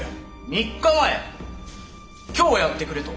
３日前今日やってくれと？